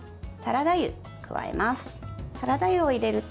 サラダ油を加えます。